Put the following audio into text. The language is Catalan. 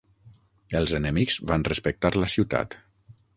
Els enemics van respectar la ciutat.